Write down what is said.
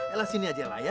elah sini aja lah ya